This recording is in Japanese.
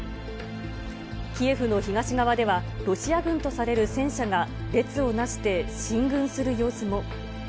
キエフの東側では、ロシア軍とされる戦車が列をなして進軍する様子も。